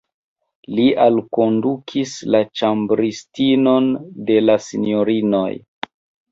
Li alkondukis la ĉambristinon de la sinjorinoj.